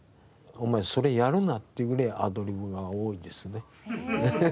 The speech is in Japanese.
お前それやるなっていうぐらいアドリブが多いですね。